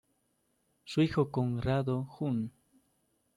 Su hijo Conrado jun.